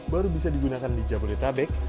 baru bisa digunakan di jabodetabek